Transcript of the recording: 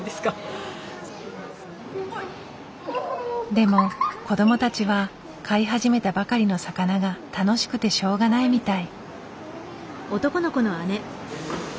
でも子どもたちは飼い始めたばかりの魚が楽しくてしょうがないみたい。